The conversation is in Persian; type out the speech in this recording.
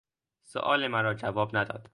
سؤال مرا جواب نداد.